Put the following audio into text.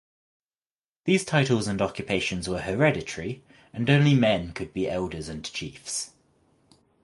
These titles and occupations were hereditary and only men could be elders and chiefs.